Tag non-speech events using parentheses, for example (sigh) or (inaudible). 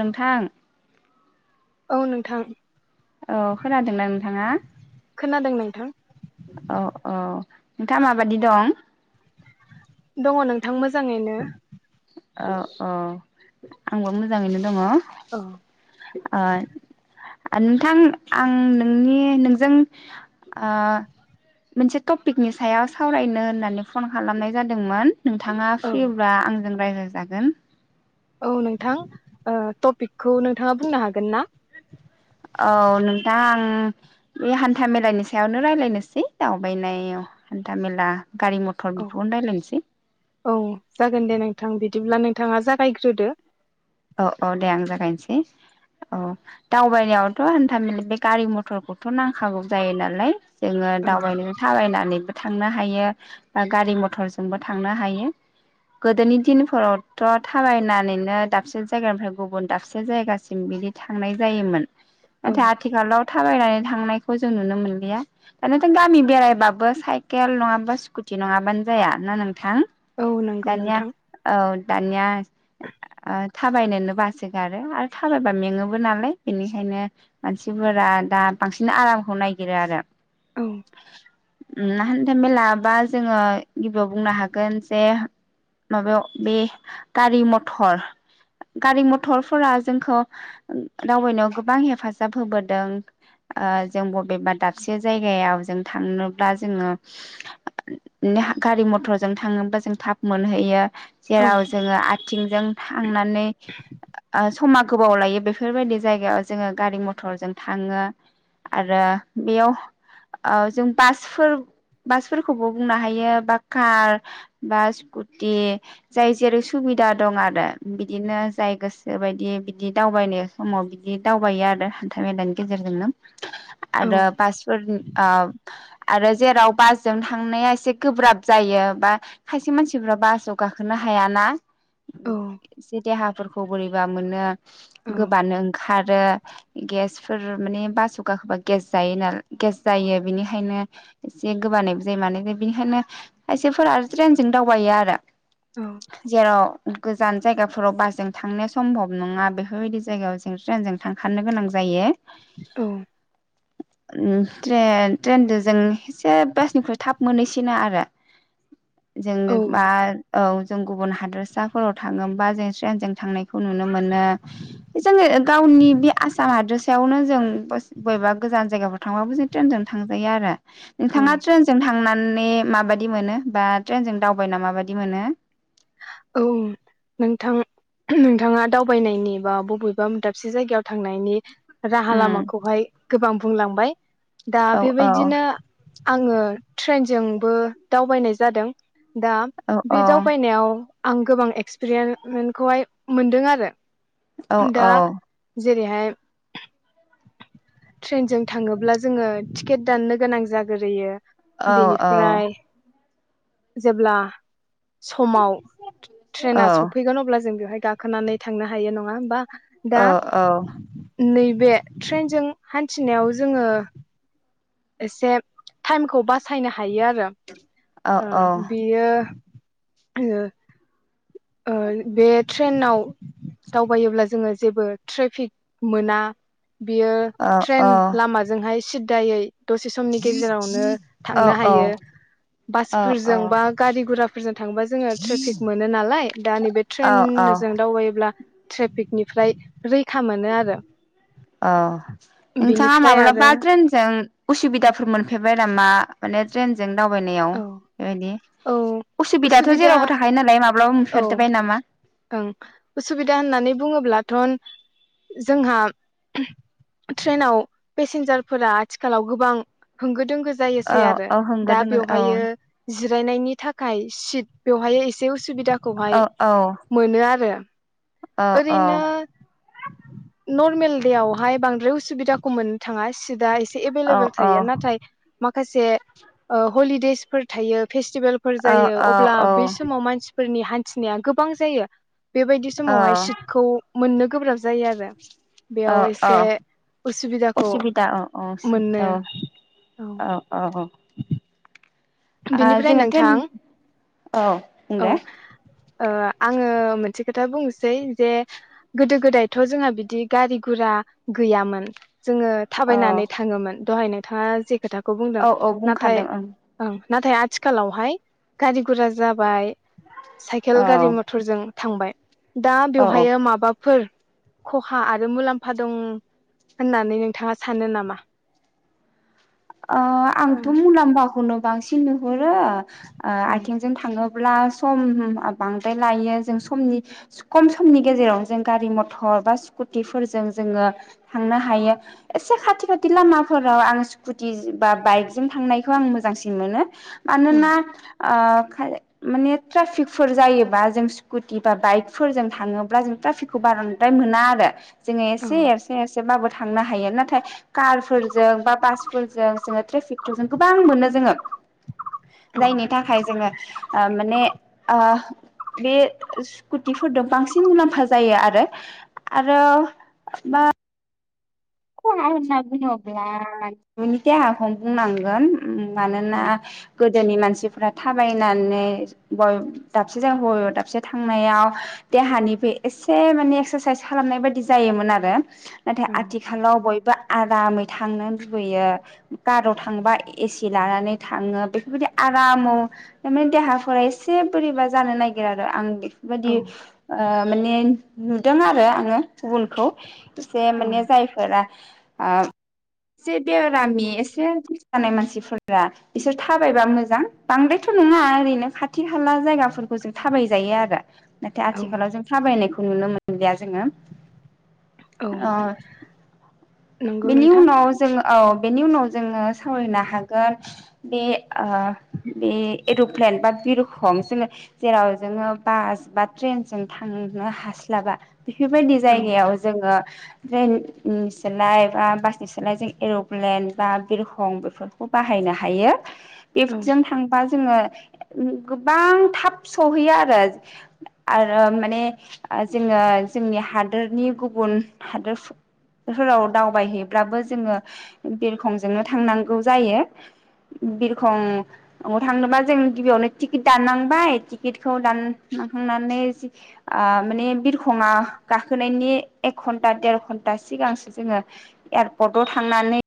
नोंथां औ नोंथां औ खोनादोंना नोंथाङा खोनादों नोंथां औ औ नोंथाङा माबादि दं दङ नोंथां मोजाङैनो औ औ आंबो मोजाङैनो दङ। औ ओ नोंथां आं नोंनि नोंजों आ मोनसे टपिकनि सायाव सावरायनो होननानै फन खालामनाय जादोंमोन नोंथाङा औ फ्रिब्ला आंजों रायलायजागोन औ नोंथां टपिकखौ नोंथाङा बुंनो हागोन ना औ नोंथां आं बे हान्था मेलानि सायावनो रायलायनोसै दावबायनायाव हान्था मेला गारि मथर औ बेखौनो रायज्लायनोसै औ जागोन दे नोंथां बिदिब्ला नों नोंथाङा जागायग्रोदो औ औ दे आं जागायनोसै औ दावबायनायावथ' हान्थामेला बे गारि मथरखौथ' नांखागौ जायो नालाय जोङो औ दावबायनो थाबायनानैबो थांनो हायो बा गारि मथरजोंबो थांनो हायो गोदोनि दिनफोरावथ' थाबायनानैनो डा बसे जायगानिफ्राय गुबुन दाबसे जायगासिम बिदि थांनाय जायोमोन औ नाथाय आथिखालाव थाबायनानै थांनायखौ जों नुनो मोनलिया दानियाथ' गामि बेरायबाबो साइकेल नङाबा स्कुटि नङाबानो जाया ना नोंथां औ नंगौ दानिया नोंथां औ दानिया ओ थाबायनोनो बासोगारो आरो थाबायबा मेङोबो नालाय बेनिखायनो मानसिफोरा दा बांसिन आरामखौ नायगिरो आरो। औ उम हान्था मेलाबा जोङो गिबियाव बुंनो हागोन जे माबायाव बे गारि मथर गारि मथरफोरा जोंखौ दावबायनायाव गोबां हेफाजाब होबोदों ओ जों बबेबा दाबसे जायगायाव जों थांनोब्ला जोङो नेहा गारि मथरजों थांङोब्ला जों थाब मोनहैयो। औ जेराव जोंङो आथ थिंजों थांना नै ओ समा गोबाव लायो बेफोरबायदि जायगायाव जोङो गारि मथरजों थाङो आरो बेयाव ओ जों बासफोर बासफोरखौबो बुंनो हायो बा कार बा स्कुटि जाय जेरै सुबिदा दं आरो। बिदिनो जाय गोसो बायदि बिदि दावबायनो समाव बिदि दावबायो आरो हान्था मेलानि गेजेरजोंनो। औ आरो बासफोर ओ आरो जेराव बासजों थांनाया एसे गोब्राब जायो बा खायसे मानसिफ्रा बासाव गाखोनो हायाना। औ उम देहाफोरखौ बोरैबा मोनो। औ गोबानो ओंखार रो गेसफोर माने बासाव गाखोबा गेस जायो नाल गेस जायो बेनिखायनो एसे गोबानायबो जायो माने बिनिखायनो खायसेफोरा आरो ट्रेनजों दावबायो आरो। जेराव गोज जान जायगाफोराव बासजों थांनो सम्भब नङा बेफोरबायदि जायगायाव जों ट्रेनजों थांखानो गोनां जायो। औ ओ ट्रेन ट्रेनजों जों एसे बासनिख्रुइ थाब मोनहैसिनो आरो। जों औ बा औ जों गुबुन हादरसा फोराव थाङोबा जों ट्रेनजों थांनायखौ नुनो मोनो जोङो गावनि बे आसाम हादोरसायावनो जों बस बबेबा गोजान जायगाफ्राव थांबाबो जों ट्रेनजोंनो थांजायो आरो। औ नोंथाङा ट्रेनजों थांना नै माबादि मोनो बा ट्रेनजों दावबायना माबादि मोनो? औ नोंथां नोंथाङा दावबायनायनि बा बबेबा म दाबसे जायगायाव थांनायनि राहा उम लामाखौहाय गोबां बुंलांबाय। दा औ औ बेबायदिनो आङो ट्रेनजोंबो दावबायनाय जादों। दा औ बे औ दावबायनायाव आं गोबां एक्सपेरियेनखौहाय मोनदों आरो। औ दा औ। जेरैहाय ट्रेनजों थाङोब्ला जोङो टिकेट दाननो गोनां जाग्रोयो औ औ बेनिफ्राय जेब्ला समाव औ ट्रेना सफैगोन अब्ला जों बेवहाय गाखोनानै थांनो हायो नङा होनबा दा औ नै बे ट्रेनजों हान्थिनायाव जोङो एसे टाइमखौ बासायनो हायो आरो। औ ओ बियो ओ। ऐ बे ट्रेनाव दावबायोब्ला जोङो जेबो ट्रेफिक मोना बियो ट्रेन लामाजोंहाय सिदा सिदायै दसे समनि गेजेरावनो औ थांनो हायो औ औ औ बासफोरजों बा गारि गुराफोरजों थांबा जोङो ट्रेफिक मोनो नालाय बे ट्रेनजों दावबायोब्ला ट्रेफिकनिफ्राय रैखा मोनो आरो। अ नोंथाङा बिनिफ्राय माब्लाबा आरो ट्रेनजों उसुबिदाफोर मोनफेरबाय नामा माने ट्रेनजों दावबायनायाव औ बेबायदि औ उसुबिदाथ उसुबिदा जेरावबो थाखायो नालाय माब्लाबा औ नुफेरबाय नामा? असुबिदा होननानै बुङोब्लाथ जोंहा ट्रेनाव पेसेन्जारफोरा आथिखालाव गोबां। दोंगो औ जायोसै आरो औ होंगो दा दोङो औ बेवहायो जिरायनायनि थाखाय। सित बेवहाय एसे औ उसुबिदाखौहाय औ मोनो आरो औ औ ओरैनो नर्मेल दे आवहाय बांद्राय उसुबिदाखौ मोननो थाङा सिदा एसे एभेलेबेल थायो औ नाथाय। माखासे हलिदेसफोर थायो। फेस्टिभेलफोर जायो अब्ला औ बै समाव मानसि फोरनि हान्थिनाया गोबबां जायो। बेबायदि औ समावहाय सिटखौ मोननो गोब्राब जायो आरो औ बेयाव औ एसे उसुबिदाखौ असुबिदा औ औ मोनो औ औ। आं बिनिफ्राय जोङो थेन नोंथां औ बुं औ दे! ओ आङो मोनसे खोथा बुंनोसै जे गोदो गोदायथ' जोंहा बिदि गारि गुरा गैयामोन। जोङो औ थाबायनानै थाङोमोन दहायनो थाङा जे खोथा औ औ बुंखादों ओं। ओं नाथाय आथिखालावहाय गारि गुरा जाबाय। साइकेल औ गारि मथरजों थांबाय दा औ औ बेवहाय माबाफोर खहा आरो मुलाम्फा दं होननानै नोंथाङा सानो नामा? ओ औ आंथ' मुलाम्फाखौनो बांसिन नुहुर ओ आ ओ औ आथिं थांङो अब्ला सम बांद्राय लायो जों समनि खम समनि गेजेराव जों गारि मथर बा स्कुटिफोरजों जोङो थांनो हायो। एसे खाथि खाथि लामाफोराव आं सु कुटि बा बाइकजों थांनायखौ आं मोजांसिन मोनो। औ मानोना ओ खायले माने ट्राफिकफोर जायोबा जों स्कुटि बा बाइकफोरजों थाङोब्ला जों ट्राफिकखौ बारद्राय मोना आरो। जोङो औ एसे एसे एस जेबाबो थांनो हायो। नाथाय कार फोरजों बा बास फोरजों जोङो ट्रिफिकफोर जों गोबां मोनो जोङो। जायनि औ थाखाय जोङो ओ माने आ बे स्कुटिफोरदो बांसिन मुलाम्फा जायो आरो। आरो मा खहा होनना बुङोब्ला न'नि (unintelligible) खौनो बुंनांगोन। उम मानोना गोद दोनि मानसिफ्रा थाबायनानै बय दाबसे जायगाखौ दाबसे थांनायाव देहानिफाय एसे माने एक्सारसाइस खालामनाय बायदि जायोमोन आरो नाथाय आथ खालाव बयबो आरामै थांनो लुबैयो। खाराव थांबा एसि लानानै थाङो बेफोरबायदि आरामाव एमे देहाफोरा एसे बोरैबा जानो नागिर आरो आं बे बादि औ ओ माने नुदों आरो आङो गुबुनखौ एसे माने औ रा ओ से बेरामि एसे जानाय मानसिफोरा इसोर थाबायबा मोजां। बांद्रायथ' नङा ओरैनो खाथि खाला जायगाफोरखौ जों थाबाय जायो आरो। नाथाय औ आथिखालाव जों थाबायनायखौ नुनो मोन (unintelligible) जोङो औ ओ नंगौ बेनि नोंथां उनाव जों ओ औ बेनि उनाव जोङो सावरायनो हागोन बे ओ बे एरुप्लेन बा बिरखं जोङो जेराव जोङो बास बा ट्रेनजों थांनो हास्लाबा बेफोरबायदि औ जायगायाव जोङो बेन उम सोलाय बा बासनि सोलाय जों एर'प्लेन बा बिरखं बेफोरखौ बाहायनो हायो। इफ्ट औ जों थांबा जोङो गोबां थाब सहैयो आरो आरो माने जोङो जोंनि हादोरनि गुबुन हादोर फोराव दावबायहैब्लाबो जोङो बिरखंजोंनो थांनांगौ जायो बिरखं थांनोबा जों गिबियावनो टिकिट दाननांबाय टिकिटखौ दानखांनानै आ माने बिरखंआ गाखोनायनि एक घन्टा देर घन दा सिगांसो जोङो एयारपर्टआव थांनानै